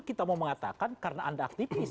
kita mau mengatakan karena anda aktivis